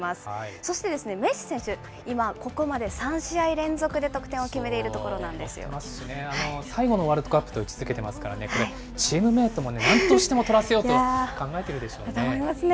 そしてメッシ選手、今、ここまで３試合連続で得点を決めていると乗ってますしね、最後のワールドカップと位置づけてますからね、これ、チームメートもなんとしても取らせようと考えているでしょうね。と思いますね。